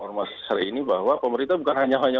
orang masyarakat ini bahwa pemerintah bukan hanya hanya